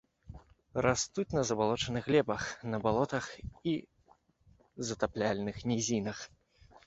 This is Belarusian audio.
Растуць на забалочаных глебах, на балотах і затапляльных нізінах.